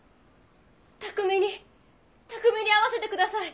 卓海に卓海に会わせてください！